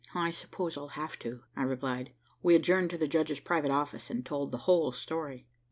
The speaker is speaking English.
"I suppose I'll have to," I replied. We adjourned to the judge's private office and told the whole story.